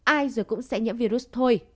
ai rồi cũng sẽ nhiễm virus thôi